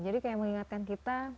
jadi kayak mengingatkan kita